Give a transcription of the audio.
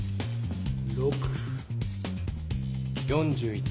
６。４１。